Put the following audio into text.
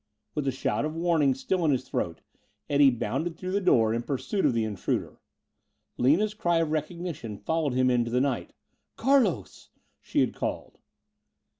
With the shout of warning still in his throat, Eddie bounded through the door in pursuit of the intruder. Lina's cry of recognition followed him into the twilight. "Carlos!" she had called.